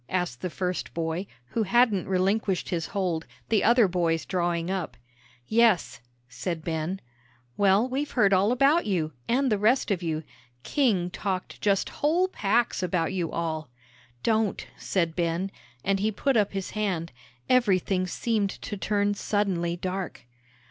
asked the first boy, who hadn't relinquished his hold, the other boys drawing up. "Yes," said Ben. "Well, we've heard all about you, and the rest of you. King talked just whole packs about you all." "Don't," said Ben, and he put up his hand; everything seemed to turn suddenly dark.